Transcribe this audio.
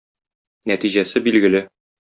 Нәтиҗәсе билгеле.